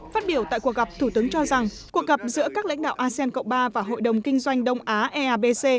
phát biểu tại cuộc gặp thủ tướng cho rằng cuộc gặp giữa các lãnh đạo asean cộng ba và hội đồng kinh doanh đông á eabc